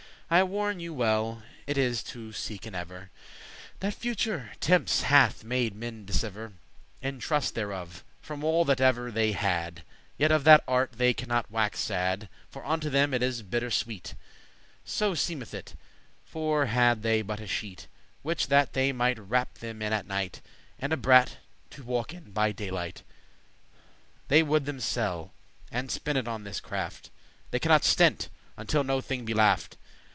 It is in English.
I warn you well it is to seeken ever. That future temps* hath made men dissever, *time part from In trust thereof, from all that ever they had, Yet of that art they cannot waxe sad,* *repentant For unto them it is a bitter sweet; So seemeth it; for had they but a sheet Which that they mighte wrap them in at night, And a bratt* to walk in by dayelight, *cloak<10> They would them sell, and spend it on this craft; They cannot stint,* until no thing be laft.